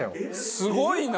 すごいな！